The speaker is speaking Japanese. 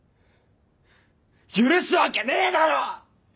許すわけねえだろ‼